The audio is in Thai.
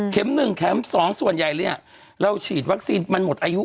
๑เข็ม๒ส่วนใหญ่เลยเราฉีดวัคซีนมันหมดอายุ